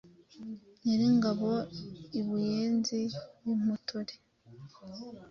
Nyiri ingabo i Buyenzi, wimpotore